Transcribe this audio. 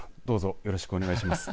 よろしくお願いします。